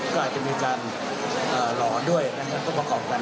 ก็มีการอ่าหลอด้วยนะครับต้องประกอบกัน